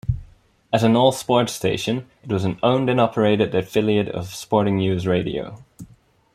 As an all-sports station, it was an owned-and-operated affiliate of Sporting News Radio.